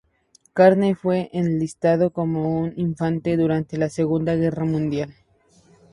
Carney fue enlistado como un infante durante la Segunda Guerra Mundial.